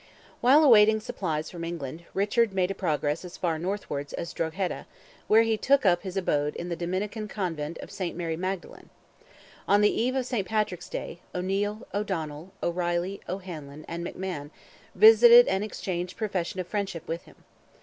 While awaiting supplies from England, Richard made a progress as far northward as Drogheda, where he took up his abode in the Dominican Convent of St. Mary Magdalen. On the eve of St. Patrick's Day, O'Neil, O'Donnell, O'Reilly, O'Hanlon, and MacMahon, visited and exchanged professions of friendship with him.